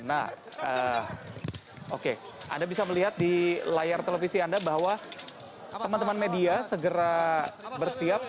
nah oke anda bisa melihat di layar televisi anda bahwa teman teman media segera bersiap